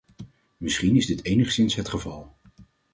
Misschien is dit enigszins het geval.